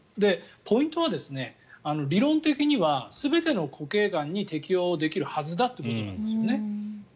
ポイントは理論的には全ての固形がんに適用できるはずだっていうことなんですよね。